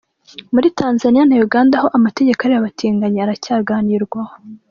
Muri Tanzania na Uganda ho amategeko areba abatinganyi aracyaganirwaho.